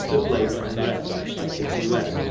Labour Unrest. By Sidney Webb.